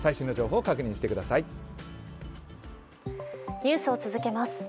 ニュースを続けます。